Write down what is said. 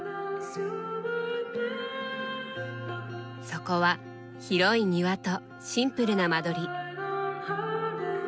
そこは広い庭とシンプルな間取り。